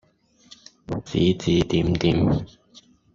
指指點點